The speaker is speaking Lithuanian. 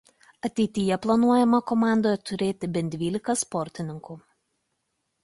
Ateityje planuojama komandoje turėti bent dvylika sportininkų.